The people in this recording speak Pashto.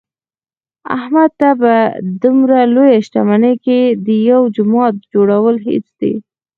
احمد ته په دمره لویه شتمنۍ کې د یوه جومات جوړل هېڅ دي.